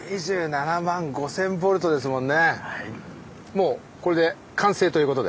もうこれで完成ということで。